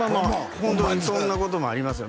ホントにそんなこともありますよ